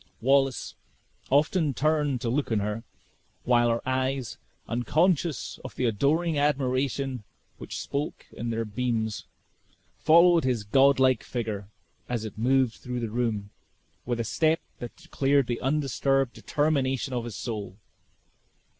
Wallace often turned to look on her, while her eyes, unconscious of the adoring admiration which spoke in their beams, followed his godlike figure as it moved through the room with a step that declared the undisturbed determination of his soul.